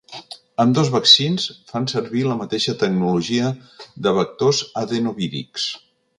Ambdós vaccins fan servir la mateixa tecnologia de vectors adenovírics.